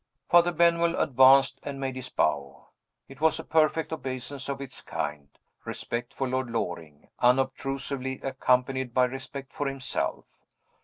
Father Benwell advanced and made his bow. It was a perfect obeisance of its kind respect for Lord Loring, unobtrusively accompanied by respect for himself.